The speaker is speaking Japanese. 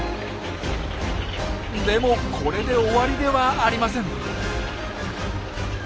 でもこれで終わりではありません。